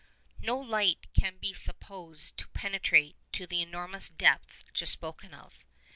No light can be supposed to penetrate to the enormous depth just spoken of.